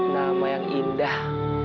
nama yang indah